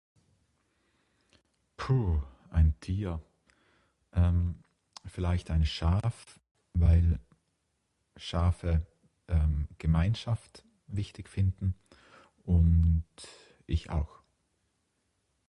Puh, Ein Tier? Ehm vielleicht ein Schaf weil Schafe ehm Gemeinschaft wichtig finden und ich auch.